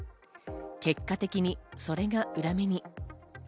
結果的にそれが裏目に。